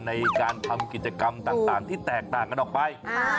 ในการทำกิจกรรมต่างที่แตกต่างกันออกไป